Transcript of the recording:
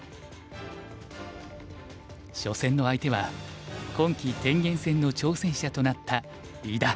初戦の相手は今期天元戦の挑戦者となった伊田。